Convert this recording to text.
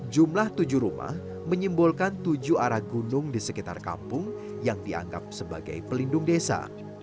jumlah tujuh rumah menyimbolkan tujuh arah gunung di sekitar kampung yang dianggap sebagai pelindung desa